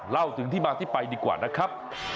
เล่าถึงที่มาที่ไปดีกว่านะครับ